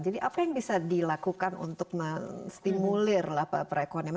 jadi apa yang bisa dilakukan untuk menstimulir perekonomian